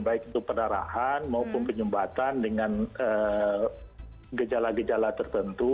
baik itu pendarahan maupun penyumbatan dengan gejala gejala tertentu